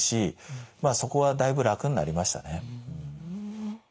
まあそこはだいぶ楽になりましたね。